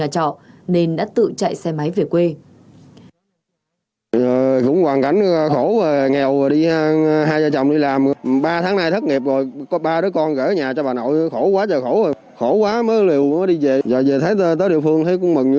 chủ nhà trọ nên đã tự chạy xe máy về quê